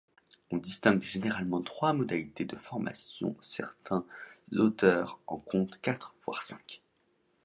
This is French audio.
On distingue généralement trois modalités de formations, certains auteurs en comptent quatre voire cinq.